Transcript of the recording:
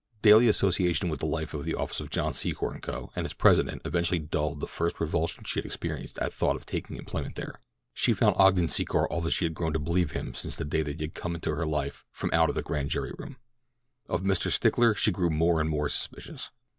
Daily association with the life of the office of John Secor & Co. and its president eventually dulled the first revulsion she had experienced at thought of taking employment there. She found Ogden Secor all that she had grown to believe him since the day that he had come into her life from out of the grand jury room. Of Mr. Stickler she grew more and more suspicious.